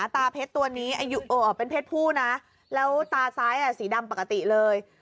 ตาเพชรตัวนี้อายุเป็นเพศผู้นะแล้วตาซ้ายสีดำปกติเลย